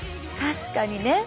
確かにね。